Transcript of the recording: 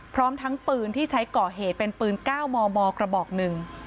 พร้อมทั้งปืนที่ใช้ก่อเหตุเป็นปืน๙มมกระบอกหนึ่ง